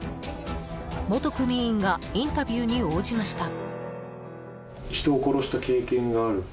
元組員がインタビューに応じました。